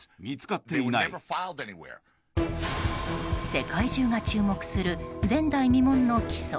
世界中が注目する前代未聞の起訴。